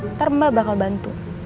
ntar mbak bakal bantu